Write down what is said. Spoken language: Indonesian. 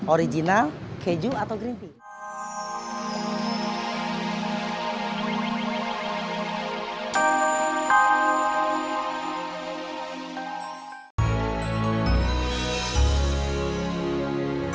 original keju atau green